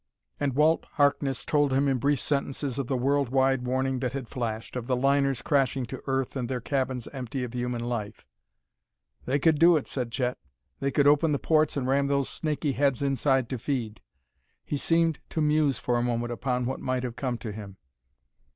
And Walt Harkness told him in brief sentences of the world wide warning that had flashed, of the liners crashing to earth and their cabins empty of human life. "They could do it," said Chet. "They could open the ports and ram those snaky heads inside to feed." He seemed to muse for a moment upon what might have come to him.